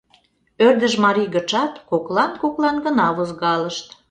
Ӧрдыж марий гычат коклан-коклан гына возгалышт.